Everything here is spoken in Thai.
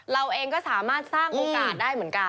เราเองก็สามารถสร้างโอกาสได้เหมือนกัน